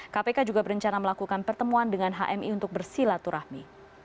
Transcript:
kpk juga berencana melakukan pertemuan dengan hmi untuk bersilaturahmi